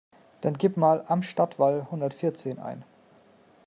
Dann gib mal Am Stadtwall hundertvierzehn ein.